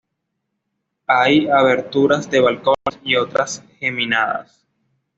Hay aberturas de balcones y otras geminadas.